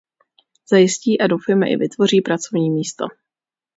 Zajistí a doufejme i vytvoří pracovní místa.